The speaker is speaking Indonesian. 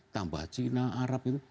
tambah cina arab gitu